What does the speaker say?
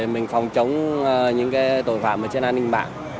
mình phòng chống những tội phạm ở trên an ninh mạng